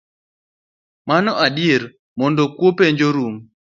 Mano adier, mondo kuo penj orum